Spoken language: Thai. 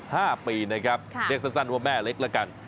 เรียกสั้นว่าแม่เล็กละกัน